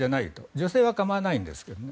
女性は構わないんですけどね。